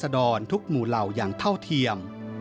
ต่อราศดรทุกหมู่เหล่าอย่างเท่าเทียม